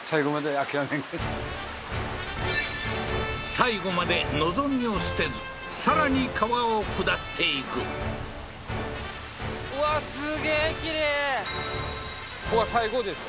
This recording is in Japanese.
最後まで望みを捨てずさらに川を下っていくここは最後です